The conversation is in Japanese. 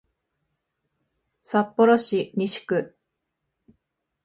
札幌市西区